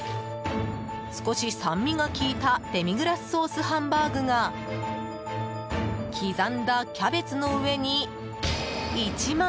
少し酸味が効いたデミグラスソースハンバーグが刻んだキャベツの上に、１枚。